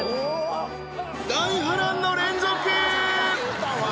大波乱の連続！